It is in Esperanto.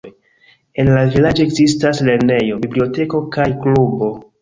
En la vilaĝo ekzistas lernejo, biblioteko kaj klubo.